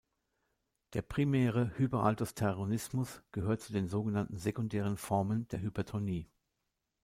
Der primäre Hyperaldosteronismus gehört zu den sogenannten sekundären Formen der Hypertonie.